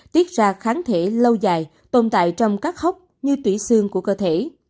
tiết ra kháng thể lâu dài tồn tại trong các hốc như tủy xương của cơ thể